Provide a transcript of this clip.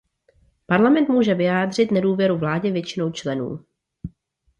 Parlament může vyjádřit nedůvěru vládě většinou členů.